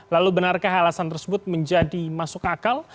lalu benarkah alasan tersebut menjadi masuk akal